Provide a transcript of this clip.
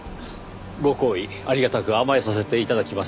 ご厚意ありがたく甘えさせて頂きます。